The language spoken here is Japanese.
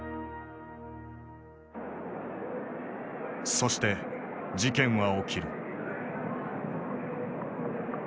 そして事件は起きる。